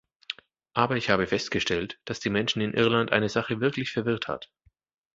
Aber ich habe festgestellt, dass die Menschen in Irland eine Sache wirklich verwirrt hat.